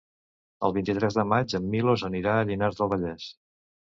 El vint-i-tres de maig en Milos anirà a Llinars del Vallès.